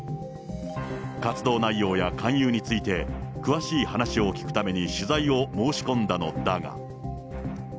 活動内容や勧誘について、詳しい話を聞くために取材を申し込んだのだが。